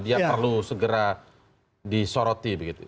dia perlu segera disoroti begitu